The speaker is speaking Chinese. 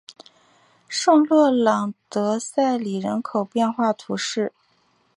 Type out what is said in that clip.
圣洛朗德塞里人口变化图示